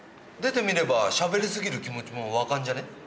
出てみればしゃべり過ぎる気持ちも分かんじゃね？